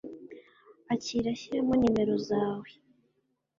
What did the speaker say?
akira shyiramo nimero zawe